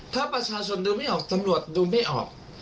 ถ้าประชาชนดูไม่ออกตำรวจดูไม่ออก